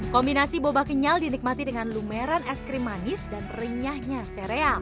kombinasi boba kenyal dinikmati dengan lumeran es krim manis dan renyahnya seream